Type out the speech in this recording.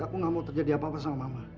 aku gak mau terjadi apa apa sama mama